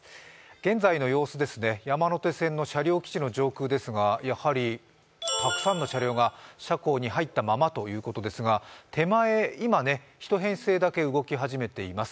現在の様子、山手線の車両基地の上空ですが、やはりたくさんの車両が車庫に入ったままということですが手前、今、１編成だけ動き始めています。